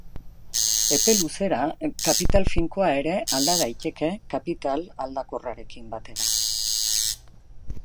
Epe luzera, kapital finkoa ere alda daiteke kapital aldakorrarekin batera.